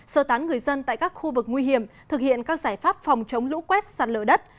sơ tán người dân tại các khu vực nguy hiểm thực hiện các giải pháp phòng chống lũ quét sạt lở đất